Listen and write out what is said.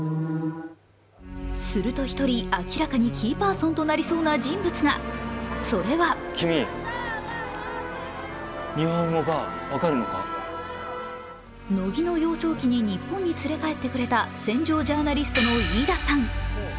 すると、１人、明らかにキーパーソンとなりそうな人物が、それは乃木の幼少期に日本に連れ帰ってくれた戦場ジャーナリストの飯田さん。